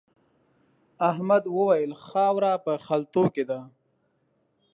احمد وويل: خاوره په خلتو کې ده.